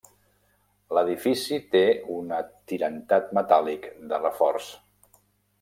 L'edifici té un atirantat metàl·lic de reforç.